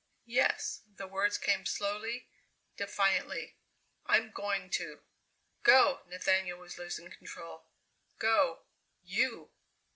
"Yes," the words came slowly, defiantly, "I'm going to!" "Go!" Nathaniel was losing control. "Go you!"